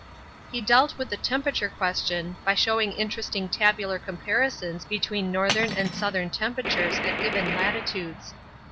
He dealt with the temperature question by showing interesting tabular comparisons between northern and southern temperatures at given latitudes.